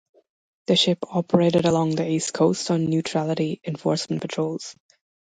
The ship operated along the east coast on neutrality enforcement patrols.